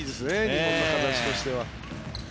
日本の形としては。